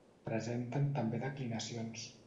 Presenten també declinacions.